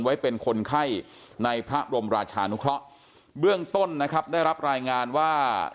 ไว้เป็นคนไข้ในพระบรมราชานุเคราะห์เบื้องต้นนะครับได้รับรายงานว่า